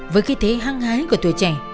với kỳ thế hăng hái của tuổi trẻ